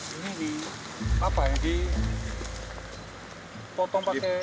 ini di potong pakai parang ya